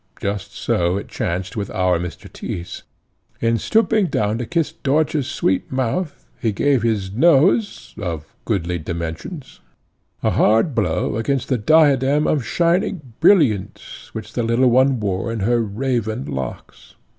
Just so it chanced with our Mr. Tyss. In stooping down to kiss Dörtje's sweet mouth, he gave his nose, of goodly dimensions, a hard blow against the diadem of shining brilliants, which the little one wore in her raven locks.